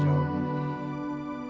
saya juga sedang berharap